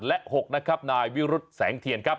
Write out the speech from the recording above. และ๖นะครับนายวิรุธแสงเทียนครับ